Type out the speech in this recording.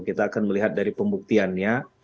kita akan melihat dari pembuktiannya